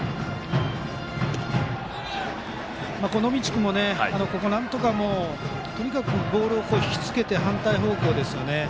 野道君もなんとかとにかくボールを引きつけて反対方向ですよね。